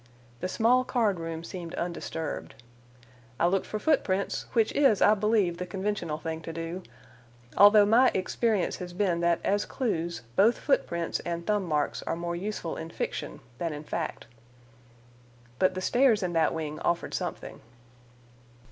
The small card room seemed undisturbed. I looked for footprints, which is, I believe, the conventional thing to do, although my experience has been that as clues both footprints and thumb marks are more useful in fiction than in fact. But the stairs in that wing offered something.